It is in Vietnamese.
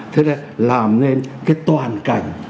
thế là làm nên cái toàn cảnh